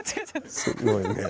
すごいねえ。